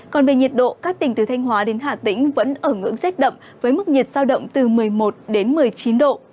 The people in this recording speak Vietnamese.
còn về nhiệt độ các tỉnh từ thanh hóa đến hà tĩnh vẫn ở ngưỡng rét đậm với mức nhiệt giao động từ một mươi một đến một mươi chín độ